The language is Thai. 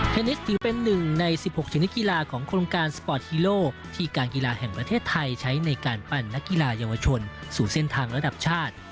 นิสถือเป็นหนึ่งใน๑๖ชนิดกีฬาของโครงการสปอร์ตฮีโร่ที่การกีฬาแห่งประเทศไทยใช้ในการปั่นนักกีฬาเยาวชนสู่เส้นทางระดับชาติ